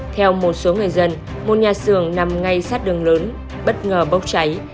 theo một số người dân một nhà xưởng nằm ngay sát đường lớn bất ngờ bốc cháy